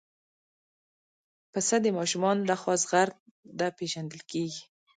پسه د ماشومانو لخوا زغرده پېژندل کېږي.